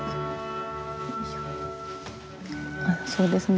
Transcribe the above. そうですね